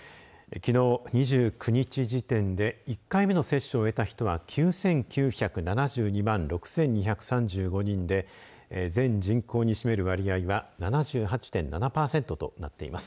きのう２９日時点で１回目の接種を終えた人は９９７２万６２３５人で全人口に占める割合は７８．７パーセントとなっています。